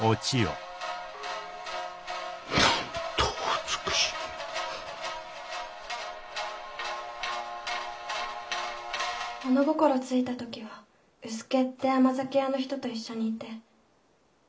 ・物心ついた時は卯助って甘酒屋の人と一緒にいて。